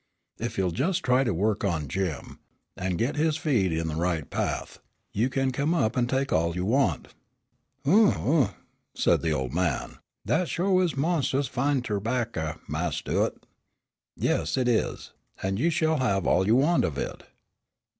If you'll just try to work on Jim, and get his feet in the right path, you can come up and take all you want." "Oom oomph," said the old man, "dat sho' is monst'ous fine terbaccer, Mas' Stua't." "Yes, it is, and you shall have all you want of it."